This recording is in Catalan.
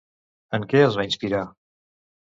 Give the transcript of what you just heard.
En què es va inspirar?